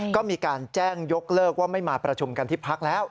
ก็มีการแจ้งยกเลิกว่าไม่มาประชุมกันที่พักแล้ว